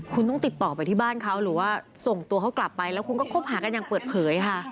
คุณต้องติดต่อไปที่บ้านเขาหรือว่าส่งตัวเขากลับไปแล้วคุณก็คบหากันอย่างเปิดเผยค่ะ